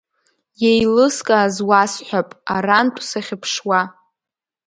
Иеилыскааз уасҳәап арантә сахьыԥшуа…